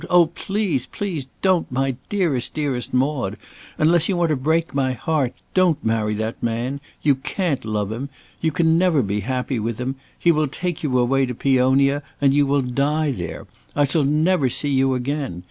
Oh, please, please, don't, my dearest, dearest Maude! unless you want to break my heart, don't marry that man! You can't love him! You can never be happy with him! he will take you away to Peonia, and you will die there! I shall never see you again!